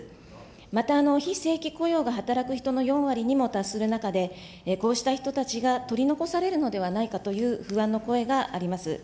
また非正規雇用が働く人の４割にも達する中で、こうした人たちが取り残されるのではないかという不安の声があります。